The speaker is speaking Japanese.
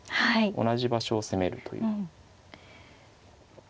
同じ場所を攻めるという。